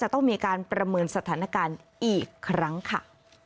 ต้องมีการประเมินสถานการณ์อีกครั้งค่ะ